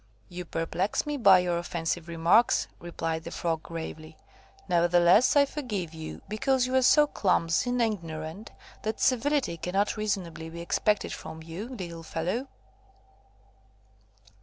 "You perplex me by your offensive remarks," replied the Frog, gravely. "Nevertheless, I forgive you, because you are so clumsy and ignorant, that civility cannot reasonably be expected from you, little fellow.